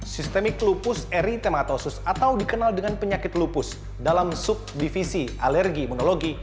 systemic lupus erythematosus atau dikenal dengan penyakit lupus dalam sub divisi alergi imunologi